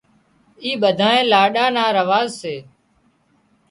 اِي ٻڌائي لاڏا نا رواز سي